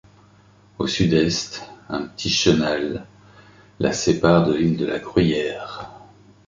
Au sud-est, un petit chenal la sépare de l'île de la Gruyère.